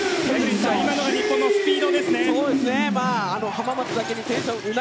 今のは日本のスピードですね。